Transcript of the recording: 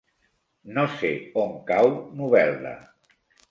No sé on cau Novelda.